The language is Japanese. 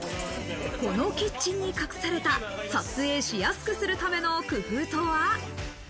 このキッチンに隠された、撮影しやすくするための工夫とは？